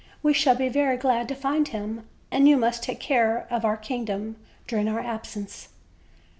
We shall be very glad to find him, and you must take care of our kingdom during our absence."